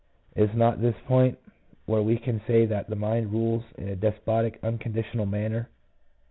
Is not this the point where we can say that the mind rules in a despotic, unconditional manner?